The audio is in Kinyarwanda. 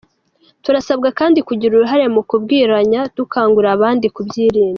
Turasabwa kandi kugira uruhare mu kubirwanya dukangurira abandi kubyirinda."